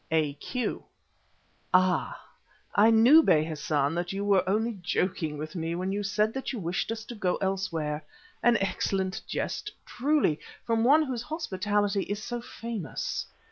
A.Q.: "Ah! I knew Bey Hassan, that you were only joking with me when you said that you wished us to go elsewhere. An excellent jest, truly, from one whose hospitality is so famous.